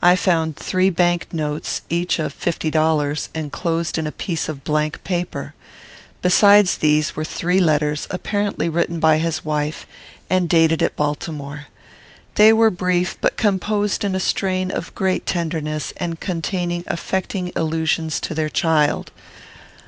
I found three bank notes, each of fifty dollars, enclosed in a piece of blank paper. Besides these were three letters, apparently written by his wife, and dated at Baltimore. They were brief, but composed in a strain of great tenderness, and containing affecting allusions to their child.